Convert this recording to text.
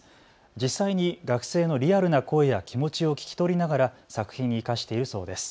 実際に学生のリアルな声や気持ちを聞き取りながら作品に生かしているそうです。